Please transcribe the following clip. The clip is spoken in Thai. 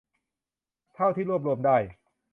เท่าที่รวบรวมได้